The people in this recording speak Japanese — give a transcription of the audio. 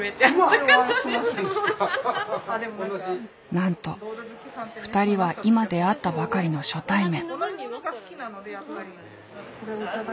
なんと２人は今出会ったばかりの初対面。